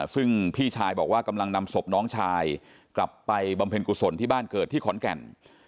ซึ่งพี่ชายบอกว่ากำลังนำศพน้องชายกลับไปบำเพ็ญกุศลที่บ้านเกิดที่ขอนแก่น